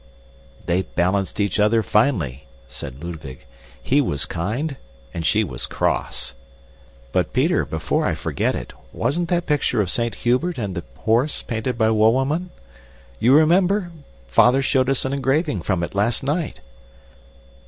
"They balanced each other finely," said Ludwig. "He was kind and she was cross. But, Peter, before I forget it, wasn't that picture of Saint Hubert and the horse painted by Wouwerman? You remember, Father showed us an engraving from it last night."